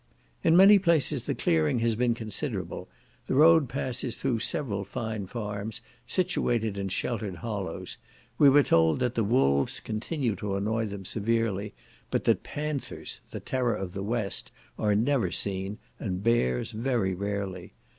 In many places the clearing has been considerable; the road passes through several fine farms, situated in the sheltered hollows; we were told that the wolves continue to annoy them severely, but that panthers, the terror of the West, are never seen, and bears very rarely.